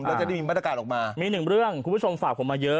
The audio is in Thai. แล้วจะได้มีมาตรการออกมามีหนึ่งเรื่องคุณผู้ชมฝากผมมาเยอะ